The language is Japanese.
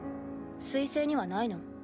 水星にはないの？